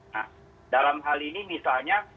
nah dalam hal ini misalnya